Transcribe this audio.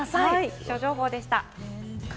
気象情報でした。